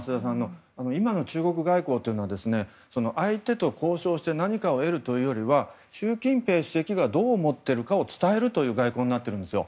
今の中国外交というのは相手と交渉して何かを得るというよりは習近平主席がどう思っているかを伝えるという外交になっているんですよ。